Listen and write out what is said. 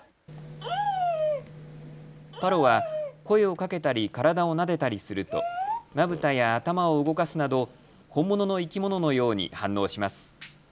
パロは声をかけたり体をなでたりすると、まぶたや頭を動かすなど本物の生き物のように反応します。